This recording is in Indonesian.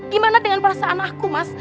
gimana dengan perasaan aku mas